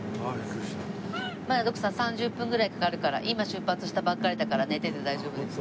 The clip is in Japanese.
まだ徳さん３０分ぐらいかかるから今出発したばっかりだから寝てて大丈夫ですよ。